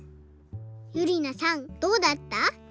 ゆりなさんどうだった？